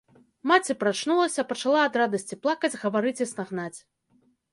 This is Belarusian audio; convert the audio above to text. Маці прачнулася, пачала ад радасці плакаць, гаварыць і стагнаць.